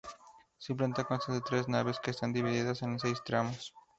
Su planta consta de tres naves que están divididas en seis tramos.